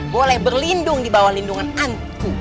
boleh berlindung di bawah lindungan aku